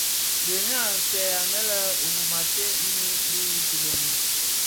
Gèni a nsèè anë le Rum ated ňyi bi kibeni.